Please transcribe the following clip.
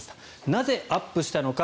なぜアップしたのか。